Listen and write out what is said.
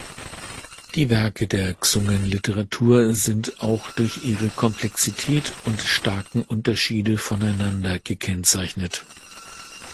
Die Werke der Xungen-Literatur sind auch durch ihre Komplexität und starken Unterschiede voneinander gekennzeichnet.